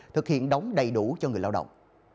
thực hiện đóng đầy đủ cho người lao động